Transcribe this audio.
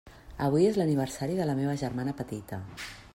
Avui és l'aniversari de la meva germana petita.